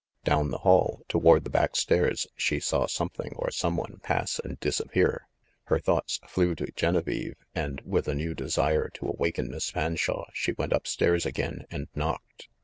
Down the hall, toward the back stairs, she saw something or some one pass and disappear. Her thoughts flew to Genevieve, and, with a new desire to awaken Miss Fanshawe, she went up stairs again and knocked.